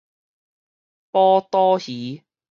寶刀魚